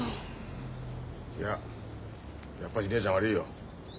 いややっぱし姉ちゃんは悪いよ。